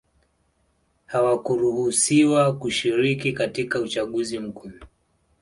hawakuruhusiwa kushiriki katika uchaguzi mkuu